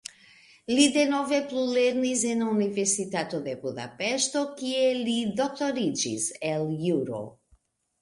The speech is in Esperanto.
Li denove plulernis en Universitato de Budapeŝto, kie li doktoriĝis el juro.